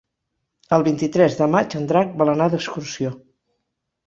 El vint-i-tres de maig en Drac vol anar d'excursió.